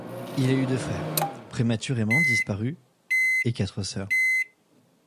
Il a eu deux frères, prématurément disparus et quatre sœurs.